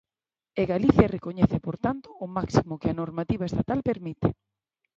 E Galicia recoñece, por tanto, o máximo que a normativa estatal permite.